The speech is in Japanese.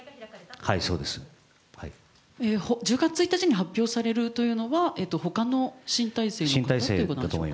１０月１日に発表されるというのは、ほかの新体制をということですか。